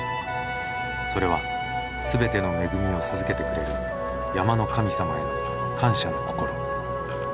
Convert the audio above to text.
それは全ての恵みを授けてくれる山の神様への感謝の心。